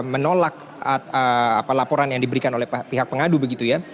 menolak laporan yang diberikan oleh pihak pengadu begitu ya